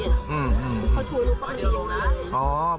เขาช่วยหนูก็เอียงเลย